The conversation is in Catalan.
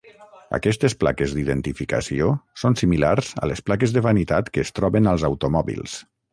Aquestes plaques d'identificació són similars a les plaques de vanitat que es troben als automòbils.